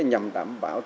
nhằm đảm bảo thuế